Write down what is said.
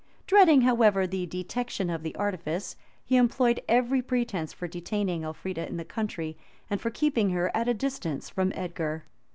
Dreading, however, the detection of the artifice, he employed every pretence for detaining Elfrida in the country, and for keeping her at a distance from Edgar.